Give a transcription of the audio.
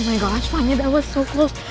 oh my gosh fanya itu sangat dekat